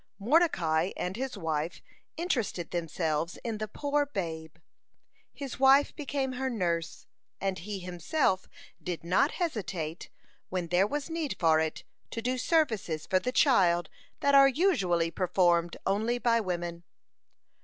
Mordecai and his wife interested themselves in the poor babe. His wife became her nurse, and he himself did not hesitate, when there was need for it, to do services for the child that are usually performed only by women.